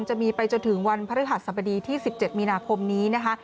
จะมีไปจนถึงวันพระฮาตรสมดีที่๑๗มีนาพรมนี้นะคะ